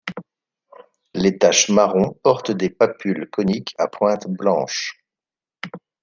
Les taches marron portent des papules coniques à pointe blanche.